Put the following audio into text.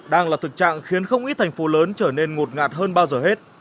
đang là thực trạng khiến không ít thành phố lớn trở nên ngột ngạt hơn bao giờ hết